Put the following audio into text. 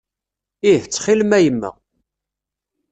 Ih, ttxil-m a yemma.